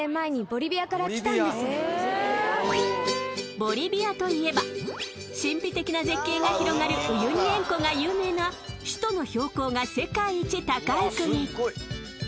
ボリビアといえば神秘的な絶景が広がるウユニ塩湖が有名な首都の標高が世界一高い国。